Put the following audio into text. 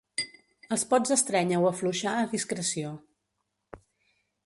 El pots estrènyer o afluixar a discreció.